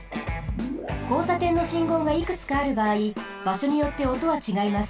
こうさてんのしんごうがいくつかあるばあいばしょによっておとはちがいます。